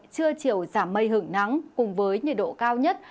trưa chiều giảm mây hưởng nắng cùng với nhiệt độ cao nhất